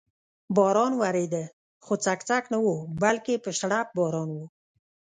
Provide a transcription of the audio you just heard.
باران ورېده، خو څک څک نه و، بلکې په شړپ باران و.